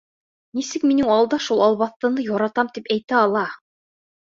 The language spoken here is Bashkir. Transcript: Нисек минең алда шул албаҫтыны яратам тип әйтә алаһың?